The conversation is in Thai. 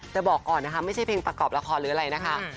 แต่บอกก่อนนะคะไม่ใช่เพลงประกอบละครหรืออะไรนะคะ